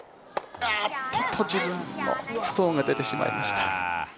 ストーンが出てしまいました。